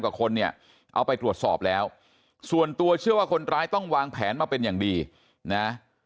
กว่าคนเนี่ยเอาไปตรวจสอบแล้วส่วนตัวเชื่อว่าคนร้ายต้องวางแผนมาเป็นอย่างดีนะ